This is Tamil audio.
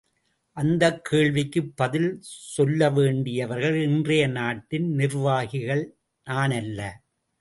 அந்தக் கேள்விக்குப் பதில் சொல்ல வேண்டியவர்கள் இன்றைய நாட்டின் நிர்வாகிகள், நானல்ல.